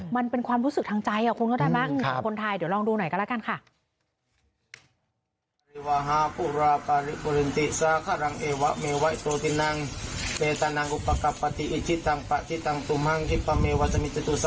มันเป็นความรู้สึกทางใจอ่ะคุณผู้ชมได้มั้ย